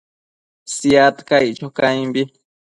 Shiad caic cho caimbi